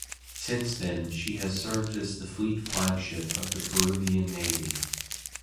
Since then, she has served as the fleet flagship of the Peruvian Navy.